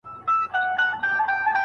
د لارښود اصلي دنده یوازي سمه لارښوونه ده.